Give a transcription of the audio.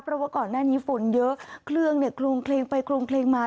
เพราะว่าก่อนหน้านี้ฝนเยอะเครื่องเนี่ยโครงเคลงไปโครงเคลงมา